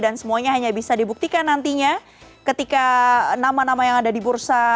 dan semuanya hanya bisa dibuktikan nantinya ketika nama nama yang ada di bursa